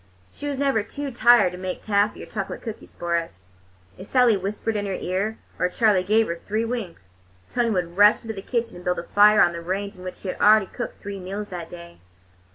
She was never too tired to make taffy or chocolate cookies for us. If Sally whispered in her ear, or Charley gave her three winks, Tony would rush into the kitchen and build a fire in the range on which she had already cooked three meals that day.